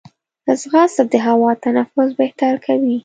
ځغاسته د هوا تنفس بهتر کوي